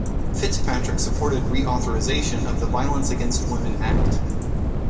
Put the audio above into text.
Fitzpatrick supported reauthorization of the Violence Against Women Act.